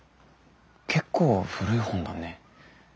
結構古い本だね。